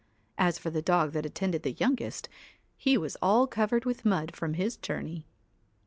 As for the dog that attended the youngest, c he was all covered with mud from his journey.